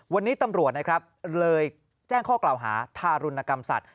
วันนี้ตำรวจเลยแจ้งข้อเกลาหาธารุณกรรมศัตริย์